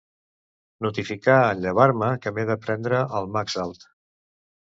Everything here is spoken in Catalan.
Notificar en llevar-me que m'he de prendre el Maxalt.